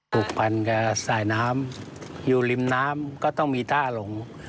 ผูกพันกับสายน้ำอยู่ริมน้ำก็ต้องมีต้าลง